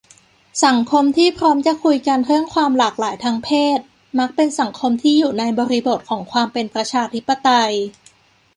สังคมที่พร้อมจะคุยกันเรื่องความหลากหลายทางเพศ มักเป็นสังคมที่อยู่ในบริบทของความเป็นประชาธิปไตย